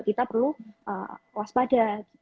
kita perlu waspada